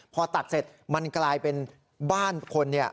พอตัดเสร็จมันกลายเป็นบ้านคนเนี่ย